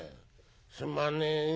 「すまねえよ。